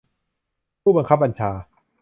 ผู้บังคับบัญชา